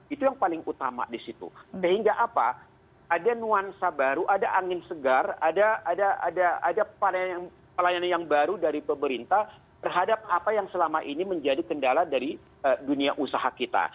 itu yang paling utama di situ sehingga apa ada nuansa baru ada angin segar ada pelayanan yang baru dari pemerintah terhadap apa yang selama ini menjadi kendala dari dunia usaha kita